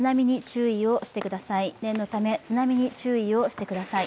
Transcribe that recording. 念のため、津波に注意をしてください。